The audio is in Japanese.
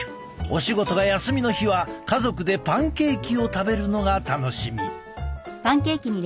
お仕事が休みの日は家族でパンケーキを食べるのが楽しみ！